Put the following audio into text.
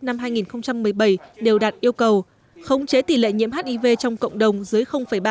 năm hai nghìn một mươi bảy đều đạt yêu cầu khống chế tỷ lệ nhiễm hiv trong cộng đồng dưới ba